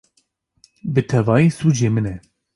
Bi tevahî sûcê min e!